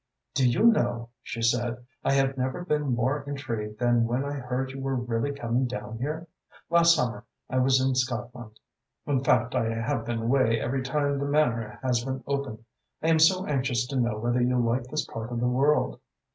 "Do you know," she said, "I have never been more intrigued than when I heard you were really coming down here. Last summer I was in Scotland in fact I have been away every time the Manor has been open. I am so anxious to know whether you like this part of the world."